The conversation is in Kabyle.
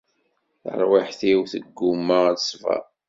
Tarwiḥt-iw teggumma ad tesber.